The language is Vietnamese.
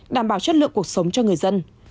đảm bảo chất lượng cuộc sống cho người dân